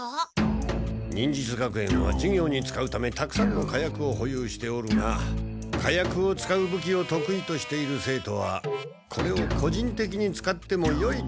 忍術学園は授業に使うためたくさんの火薬を保有しておるが火薬を使う武器を得意としている生徒はこれを個人的に使ってもよいという免許がある。